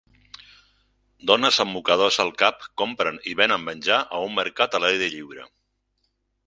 Dones amb mocadors al cap compren i venen menjar a un mercat a l'aire lliure.